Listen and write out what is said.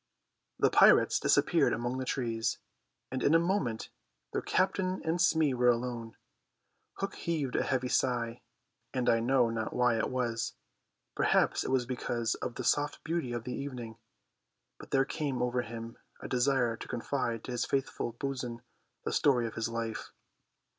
The pirates disappeared among the trees, and in a moment their Captain and Smee were alone. Hook heaved a heavy sigh, and I know not why it was, perhaps it was because of the soft beauty of the evening, but there came over him a desire to confide to his faithful bo'sun the story of his life.